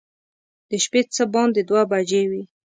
د شپې څه باندې دوه بجې وې.